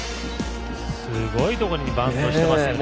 すごいところにバウンドしていますからね。